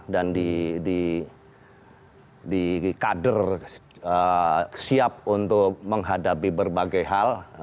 dan di kader siap untuk menghadapi berbagai hal